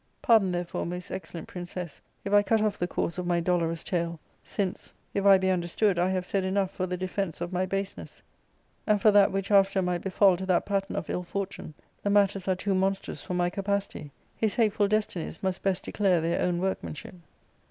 Pardon, therefore, most excellent princess, if I cut off the course of my dolorous tale, since, if I be under K 2 132 ARCADIA. 'Book //. stood, I have said enough for the defence of my baseness : and for that which after might befall to that pattern of ill fortune, the matters are too monstrous for my capacity ; his hateful destinies must best declare their own workmanship.